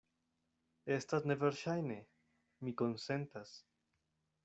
Estas neverŝajne; mi konsentas.